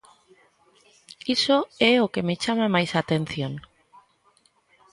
Iso é o que me chama máis a atención.